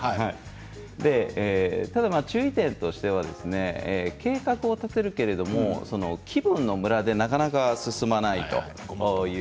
ただ注意点としては計画は立てるけれども気分のムラでなかなか進まない。